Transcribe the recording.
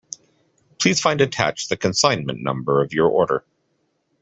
Please find attached the consignment number of your order.